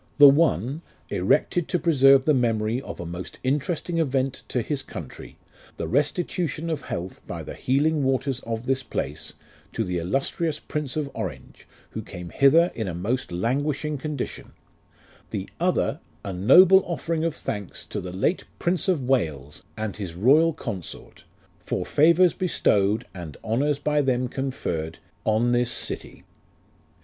The One Erected to preserve the memory of a Most interesting event to his country, The restitution of health, by the healing waters of this place, To the illustrious Prince of Orange, Who came hither in a most languishing condition : 108 UFE OF RICHARD NASH. The Other, A noble offering of thanks To the late Prince of WALES, and his royal Consort, For favours bestowed, And honours by them conferred, on this city.